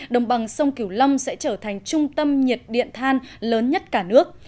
đồng bằng sông kiểu lâm sẽ trở thành trung tâm nhiệt điện than lớn nhất cả nước